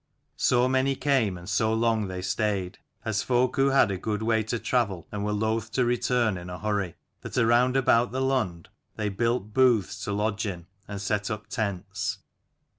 So many came and so long they stayed, as folk who had a good way to travel and were loth to return in a hurry, that around about the Lund they built booths to lodge in, and set up tents.